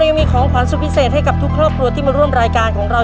ยังมีของขวัญสุดพิเศษให้กับทุกครอบครัวที่มาร่วมรายการของเรา